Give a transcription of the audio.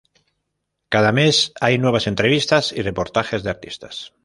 Cada mes hay nuevas entrevistas y reportajes de artistas.